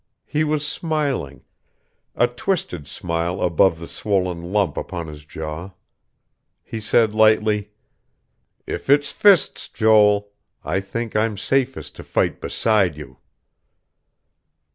He was smiling, a twisted smile above the swollen lump upon his jaw. He said lightly: "If it's fists, Joel I think I'm safest to fight beside you."